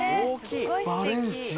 バレンシア。